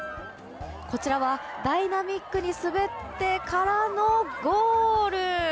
こちらはダイナミックに滑ってからのゴール。